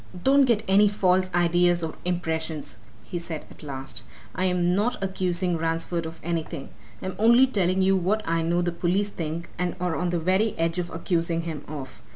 "Don't get any false ideas or impressions," he said at last. "I'm not accusing Ransford of anything. I'm only telling you what I know the police think and are on the very edge of accusing him of.